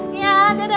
bang sesuai bang